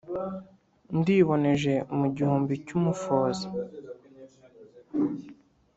Ndiboneje mu gihumbi cy'umufozi,